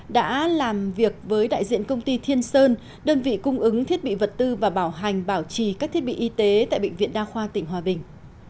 đã làm việc với đại diện công ty thiên sơn đơn vị cung ứng thiết bị vật tư và bảo hành bảo trì các thiết bị y tế tại bệnh viện đa khoa tỉnh hòa bình